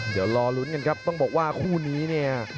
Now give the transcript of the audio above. เดี๋ยวรอลุ้นกันครับต้องบอกว่าคู่นี้เนี่ย